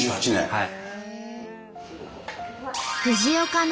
はい。